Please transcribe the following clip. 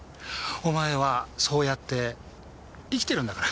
お前はそうやって生きてるんだから。